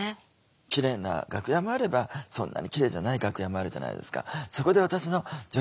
キレイな楽屋もあればそんなにキレイじゃない楽屋もあるじゃないですか。